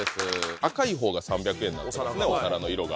赤い方が３００円ですねお皿の色が。